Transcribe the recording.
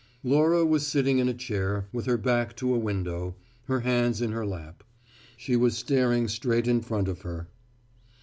Laura was sitting in a chair, with her back to a window, her hands in her lap. She was staring straight in front of her.